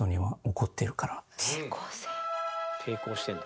抵抗してるんだ。